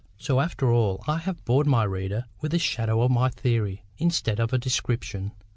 So, after all, I have bored my reader with a shadow of my theory, instead of a description.